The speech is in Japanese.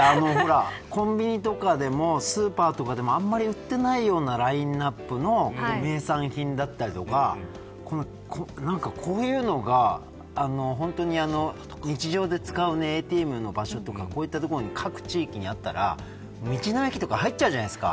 だって、コンビニとかでもスーパーとかでもあまり売ってないようなラインアップの名産品だったりとか何かこういうのが日常で使うＡＴＭの場所とかこういった所に各地域にあったら道の駅とか入っちゃうじゃないですか。